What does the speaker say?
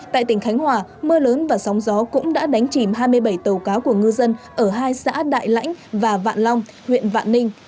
tại tỉnh khánh hòa mưa lớn và sóng gió cũng đã đánh chìm hai mươi bảy tàu cá của ngư dân ở hai xã đại lãnh và vạn long huyện vạn ninh